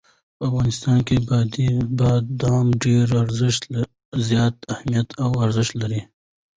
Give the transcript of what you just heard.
په افغانستان کې بادام ډېر زیات اهمیت او ارزښت لري.